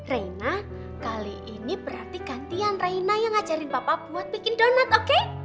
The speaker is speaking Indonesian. raina kali ini berarti gantian raina yang ngajarin papa buat bikin donat oke